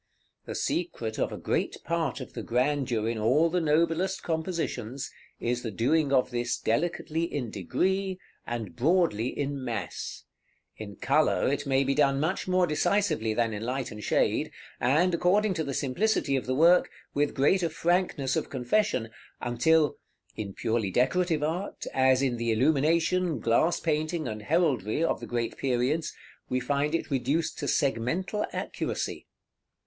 The secret of a great part of the grandeur in all the noblest compositions is the doing of this delicately in degree, and broadly in mass; in color it may be done much more decisively than in light and shade, and, according to the simplicity of the work, with greater frankness of confession, until, in purely decorative art, as in the illumination, glass painting, and heraldry of the great periods, we find it reduced to segmental accuracy.